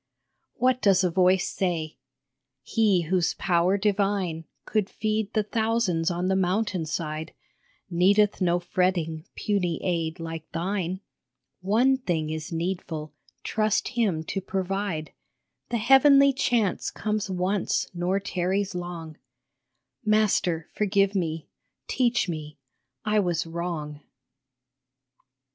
What does a voice say ?" He whose power divine Could feed the thousands on the mountain side Needeth no fretting, puny aid like thine. One thing is needful, trust him to provide ; The Heavenly Chance comes once nor tarries long " Master, forgive me, teach me, I was wrong